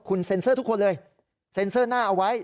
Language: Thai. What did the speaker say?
คุณเซ็นเซอร์ทุกคนเลยเซ็นเซอร์หน้าเอาไว้